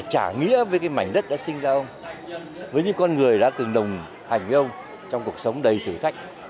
hành đất đã sinh ra ông với những con người đã từng đồng hành với ông trong cuộc sống đầy thử thách